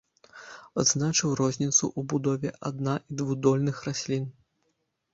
Адзначыў розніцу ў будове адна- і двухдольных раслін.